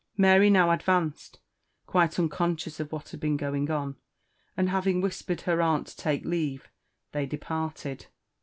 Mary now advanced, quite unconscious of what had been going on; and having whispered her aunt to take leave, they departed.